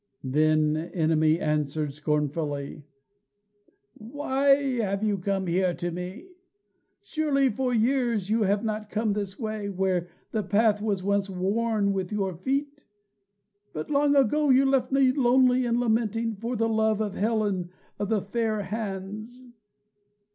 Then OEnone answered scornfully: "Why have you come here to me? Surely for years you have not come this way, where the path was once worn with your feet. But long ago you left me lonely and lamenting, for the love of Helen of the fair hands.